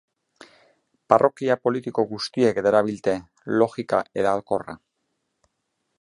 Parrokia politiko guztiek darabilte logika hedakorra.